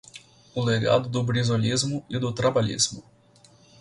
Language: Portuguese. O legado do brizolismo e do trabalhismo